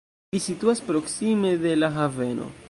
Ili situas proksime de la haveno.